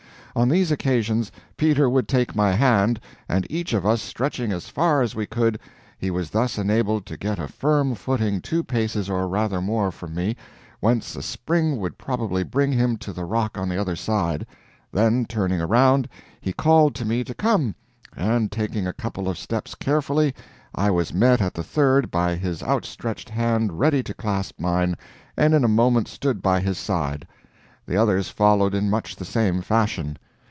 On these occasions Peter would take my hand, and each of us stretching as far as we could, he was thus enabled to get a firm footing two paces or rather more from me, whence a spring would probably bring him to the rock on the other side; then, turning around, he called to me to come, and, taking a couple of steps carefully, I was met at the third by his outstretched hand ready to clasp mine, and in a moment stood by his side. The others followed in much the same fashion.